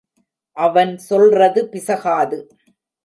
அவன் சொல்றது பிசகாது.